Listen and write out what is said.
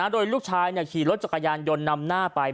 โดยลูกชายขี่รถจักรยานยนต์นำหน้าไป